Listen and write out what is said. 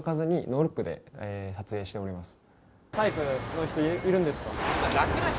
タイプの人いるんですか？